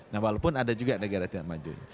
nah walaupun ada juga negara tidak maju